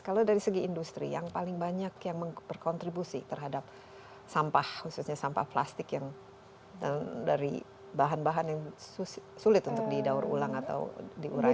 kalau dari segi industri yang paling banyak yang berkontribusi terhadap sampah khususnya sampah plastik yang dari bahan bahan yang sulit untuk didaur ulang atau diuraikan